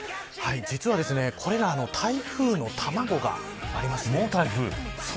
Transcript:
実はこれら台風の卵があります。